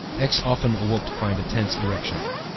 X. often awoke to find a tense erection.